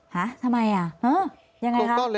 หาทำไมยังไงครับ